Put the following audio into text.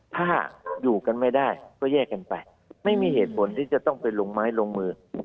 ถ้าอยู่กันไม่ได้ก็แยกกันไปไม่มีเหตุผลที่จะต้องไปลงไม้ลงมือ